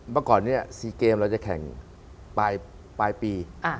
เมื่อก่อนนี้๔เกมเราจะแข่งปลายปี